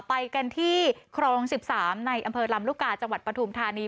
ไปกันที่ครอง๑๓ในอำเภอลำลูกกาจังหวัดปฐุมธานี